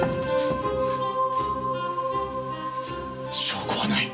証拠はない。